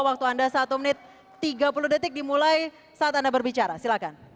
waktu anda satu menit tiga puluh detik dimulai saat anda berbicara silahkan